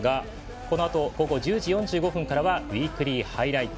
このあと午後１０時４５分から「ウイークリーハイライト」。